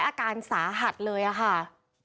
อาการสาหัสเลยค่ะ